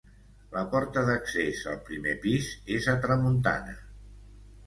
La porta d'accés al primer pis és a tramuntana.